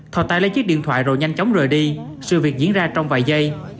thò tay lấy chiếc điện thoại rồi nhanh chóng rời đi sự việc diễn ra trong vài giây